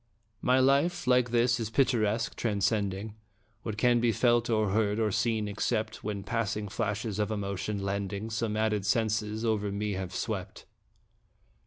My life, like his, is picturesque, transcending What can be felt, or heard, or seen, except When passing flashes of emotion, lending Some added senses, over me have swept.